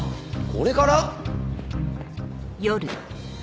これから？